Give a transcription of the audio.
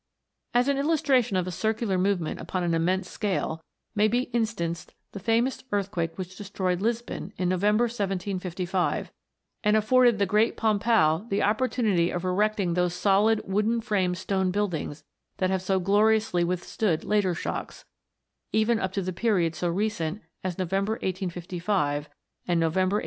As an illustration of a circular movement upon an immense scale, may be instanced the famous earthquake which destroyed Lisbon in November, 1 755, and afforded the great Pombal the opportunity of erecting those solid wooden framed stone build ings that have so gloriously withstood later shocks, even up to periods so recent as November, 1855, and November, 1858.